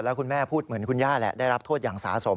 แล้วคุณแม่พูดเหมือนคุณย่าแหละได้รับโทษอย่างสะสม